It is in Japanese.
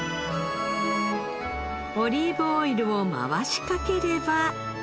オリーブオイルを回しかければ。